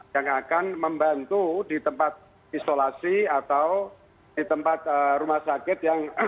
yang akan membantu di tempat isolasi atau di tempat rumah sakit yang